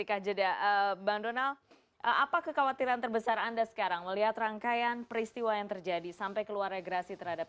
kekecewaan kekecewaan kepada pemerintah